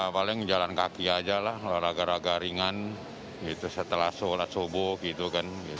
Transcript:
paling jalan kaki aja lah olahraga olahraga ringan setelah sholat sobok gitu kan